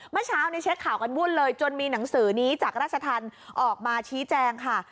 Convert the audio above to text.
เมื่อเช้านี้เช็คข่าวกันวุ่นเลยจนมีหนังสือนี้จากราชธรรมออกมาชี้แจงค่ะ